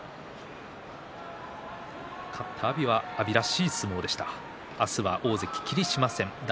勝った阿炎は阿炎らしい相撲でした。